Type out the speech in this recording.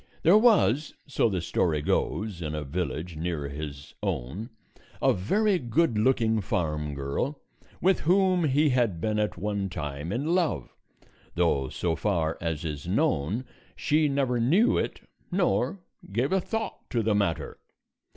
There was, so the story goes, in a village near his own a very good looking farm girl with whom he had been at one time in love, though so far as is known, she never knew it nor gave a thought to the matter.